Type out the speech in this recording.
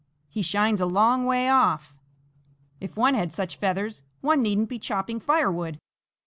he shines a long way off. If one had such feathers, one needn't be chopping firewood."